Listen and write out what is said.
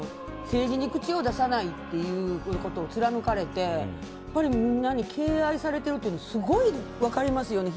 政治に口を出さないということを貫かれてやっぱり、みんなに敬愛されているというのがすごい分かりますよね